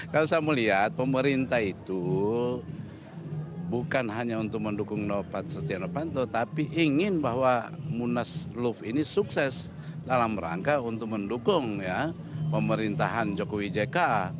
kalau saya melihat pemerintah itu bukan hanya untuk mendukung setia novanto tapi ingin bahwa munasluf ini sukses dalam rangka untuk mendukung ya pemerintahan jokowi jk